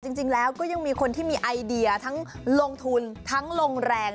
จริงแล้วก็ยังมีคนที่มีไอเดียทั้งลงทุนทั้งลงแรง